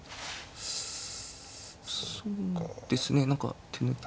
そうですね何か手抜き。